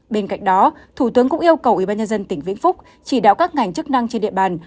bên cạnh đó thủ tướng cũng yêu cầu ubnd tỉnh vĩnh phúc chỉ đạo các ngành chức năng trên địa bàn